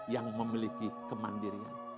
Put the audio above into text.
yang memiliki kemandirian